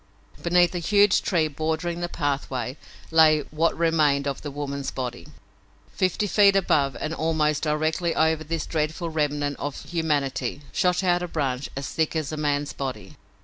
Beneath a huge tree bordering the pathway lay what remained of the woman's body. Fifty feet above, and almost directly over this dreadful remnant of humanity, shot out a branch as thick as a man's body.